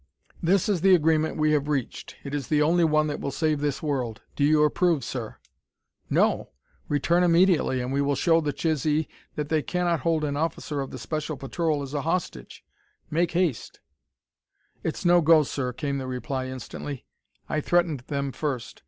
"This is the agreement we have reached; it is the only one that will save this world. Do you approve, sir?" "No! Return immediately, and we will show the Chisee that they cannot hold an officer of the Special Patrol as a hostage. Make haste!" "It's no go, sir," came the reply instantly. "I threatened them first.